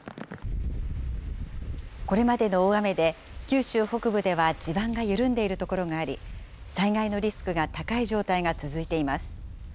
これまでの大雨で、九州北部では地盤が緩んでいる所があり、災害のリスクが高い状態が続いています。